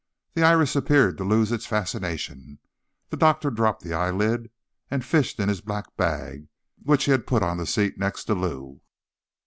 The iris appeared to lose its fascination; the doctor dropped the eyelid and fished in his black bag, which he had put on the seat next to Lou.